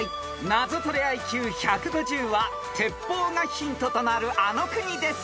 ［ナゾトレＩＱ１５０は鉄砲がヒントとなるあの国です］